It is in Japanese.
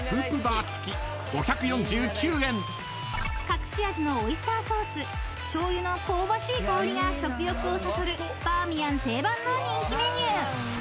［隠し味のオイスターソースしょうゆの香ばしい香りが食欲をそそるバーミヤン定番の人気メニュー］